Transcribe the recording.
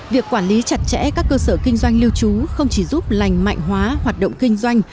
việc quản lý chặt chẽ các cơ sở kinh doanh lưu trú không chỉ giúp lành mạnh hóa hoạt động kinh doanh